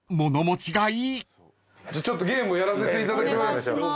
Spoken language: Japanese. ちょっとゲームをやらさせていただきます。